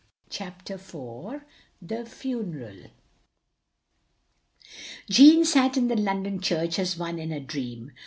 CHAPTER IV THE FUNERAL JEANNE sat in the London church as one in a dream.